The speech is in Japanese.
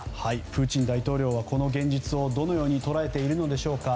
プーチン大統領はこの現実をどのように捉えているのでしょうか。